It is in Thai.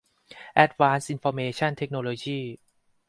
แอ็ดวานซ์อินฟอร์เมชั่นเทคโนโลยี